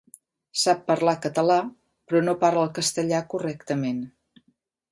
Sap parlar català, però no parla el castellà correctament.